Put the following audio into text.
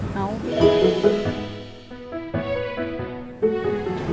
mau apa gak